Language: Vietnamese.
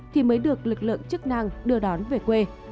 thì mới được lực lượng chức năng đưa đón về quê